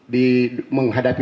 di menghadapi p tiga